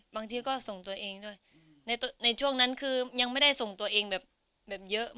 บางทีก็ส่งตัวเองด้วย